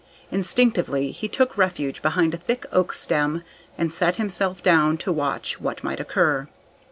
Instinctively he took refuge behind a thick oak stem, and set himself down, to watch what might occur.